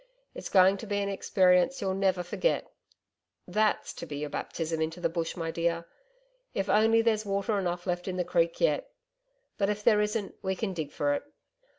It's going to be an experience you'll never forget. THAT'S to be your baptism into the Bush, my dear .... If only there's water enough left in the Creek yet .... But if there isn't we can dig for it.